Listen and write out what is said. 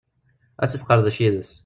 Ad tt-yesqerdec yid-s.